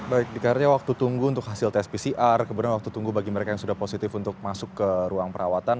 baik dikarya waktu tunggu untuk hasil tes pcr kemudian waktu tunggu bagi mereka yang sudah positif untuk masuk ke ruang perawatan